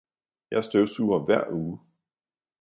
Jeg støvsuger hver uge.